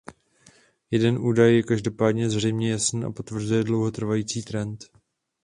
Jeden údaj je každopádně zřejmě jasný a potvrzuje dlouhotrvající trend.